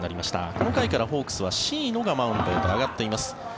この回からホークスは椎野がマウンドへと上がっています。